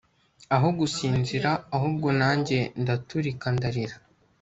aho gusinzira ahubwo nanjye ndaturika ndarira